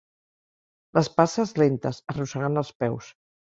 Les passes lentes, arrossegant els peus.